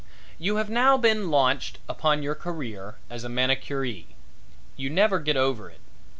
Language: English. You have now been launched upon your career as a manicuree. You never get over it.